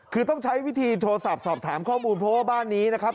คือต้องใช้วิธีโทรศัพท์สอบถามข้อมูลเพราะว่าบ้านนี้นะครับ